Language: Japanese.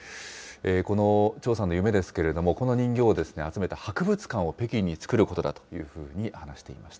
この張さんの夢ですけれども、この人形を集めた博物館を北京に作ることだというふうに話していました。